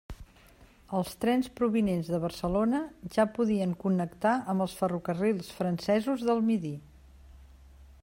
Els trens provinents de Barcelona ja podien connectar amb els ferrocarrils francesos del Midi.